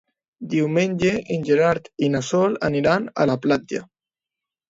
Diumenge en Gerard i na Sol aniran a la platja.